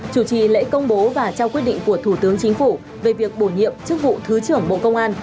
chủ trì lễ công bố và trao quyết định của thủ tướng chính phủ về việc bổ nhiệm chức vụ thứ trưởng bộ công an